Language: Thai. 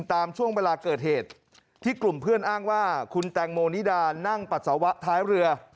ตามช่วงเวลาเกิดเหตุที่กลุ่มเพื่อนอ้างว่าคุณแตงโมนิดานั่งปัสสาวะท้ายเรือ